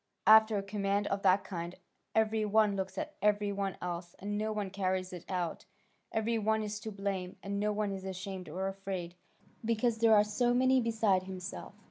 After a command of that kind, every one looks at every one else, and no one carries it out, every one is to blame, and no one is ashamed or afraid, because there are so many beside himself.